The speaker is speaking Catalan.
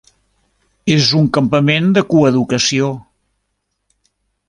És un campament de coeducació.